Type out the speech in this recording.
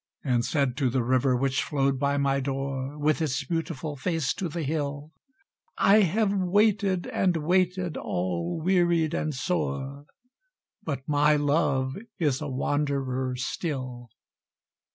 And said to the river which flowed by my door With its beautiful face to the hill, "I have waited and waited, all wearied and sore, But my love is a wanderer still!"